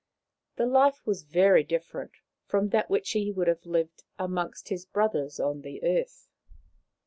The life was very different from that which he would have lived amongst his brothers on the earth.